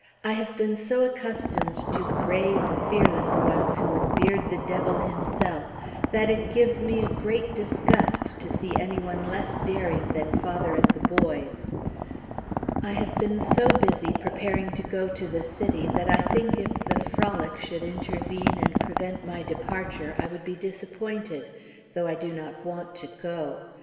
I have been so accustomed to brave, fearless ones, who would beard the Devil himself, that it gives me a great disgust to see any one less daring than father and the boys. I have been so busy preparing to go to the city that I think if the frolic should intervene and prevent my departure, I would be disappointed, though I do not want to go.